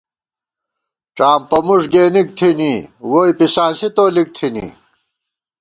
ڄامپہ مُݭ گېنِک تھنی، ووئی پِسانسی تولِک تھنی